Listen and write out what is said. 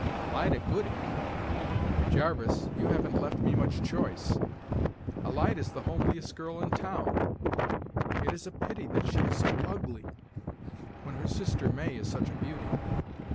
Alida Gooding! Jarvis, you haven't left me much choice. Alida's the homeliest girl in town. It is a pity that she is so ugly when her sister May is such a beauty.